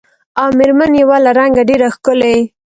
او مېر من یې وه له رنګه ډېره ښکلې